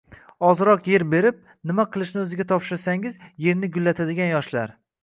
ozroq yer berib, nima qilishni o‘ziga topshirsangiz, yerni gullatadigan yoshlar.